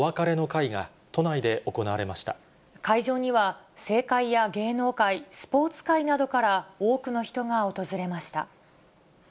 会場には、政界や芸能界、スポーツ界などから多くの人が訪れました。